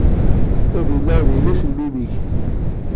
Ta d Nina, d yelli-s n memmi-k.